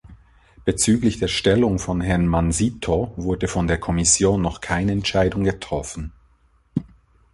Bezüglich der Stellung von Herrn Mansito wurde von der Kommission noch keine Entscheidung getroffen.